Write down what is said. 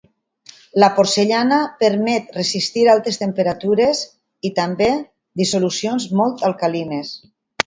La porcellana permet resistir altes temperatures i, també, dissolucions molt alcalines.